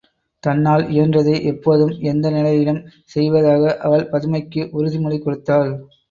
தன்னால் இயன்றதை எப்போதும் எந்த நிலையிலும் செய்வதாக அவள் பதுமைக்கு உறுதிமொழி கொடுத்தாள்.